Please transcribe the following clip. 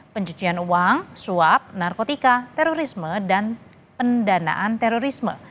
pencucian uang suap narkotika terorisme dan pendanaan terorisme